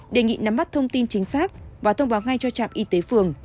đề nghị nắm bắt thông tin chính xác và thông báo ngay cho trạm y tế phường